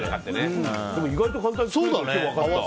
でも意外と簡単に作れるって今日分かった。